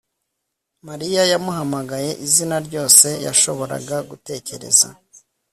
mariya yamuhamagaye izina ryose yashoboraga gutekereza